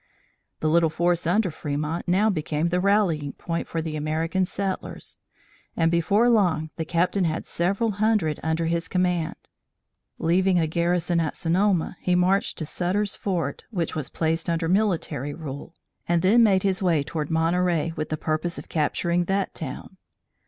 The little force under Fremont now became the rallying point for the American settlers, and before long the Captain had several hundred under his command. Leaving a garrison at Sonoma, he marched to Sutter's Fort, which was placed under military rule, and then made his way toward Monterey with the purpose of capturing that town.